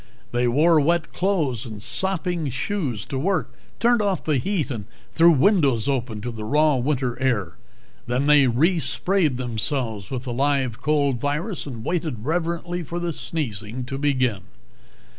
They wore wet clothes and sopping shoes to work, turned off the heat and threw windows open to the raw winter air. Then they resprayed themselves with the live cold virus and waited reverently for the sneezing to begin.